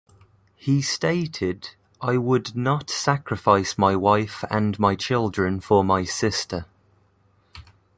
He stated, I would not sacrifice my wife and my children for my sister.